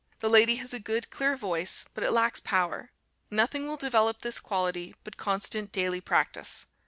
The lady has a good clear voice, but it lacks power; nothing will develop this quality but constant daily practice.